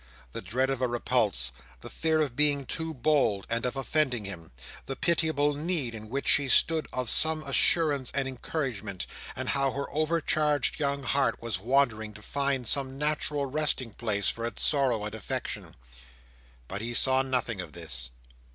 the dread of a repulse; the fear of being too bold, and of offending him; the pitiable need in which she stood of some assurance and encouragement; and how her overcharged young heart was wandering to find some natural resting place, for its sorrow and affection. But he saw nothing of this.